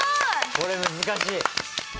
これ難しい。